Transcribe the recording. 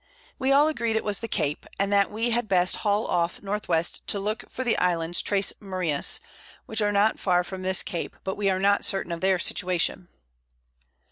We all agreed it was the Cape, and that we had best hall off N. W. to look for the Islands Tres Marias, which are not far from this Cape, but we are not certain of their Situation.